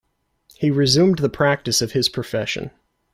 He resumed the practice of his profession.